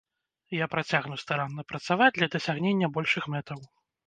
Я працягну старанна працаваць для дасягнення большых мэтаў.